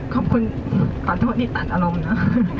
ขอบคุณขอโทษที่ตัดอารมณ์นะ